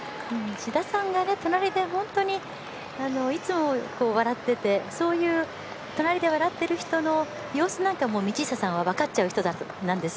志田さんが隣で本当にいつも笑っててそういう隣で笑っている人の様子なんかも道下さんは分かっちゃう人なんです。